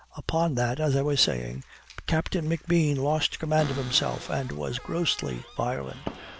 Upon that, as I was saying, Captain McBean lost command of himself and was grossly violent.